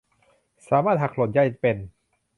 สามารถหักลดหย่อนได้เป็น